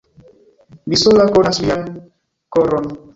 Vi sola konas mian koron.